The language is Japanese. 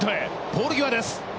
ポール際です。